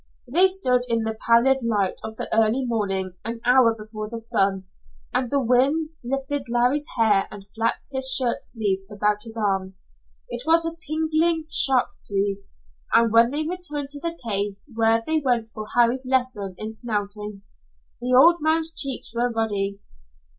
They stood in the pallid light of the early morning an hour before the sun, and the wind lifted Larry's hair and flapped his shirt sleeves about his arms. It was a tingling, sharp breeze, and when they returned to the cave, where they went for Harry's lesson in smelting, the old man's cheeks were ruddy.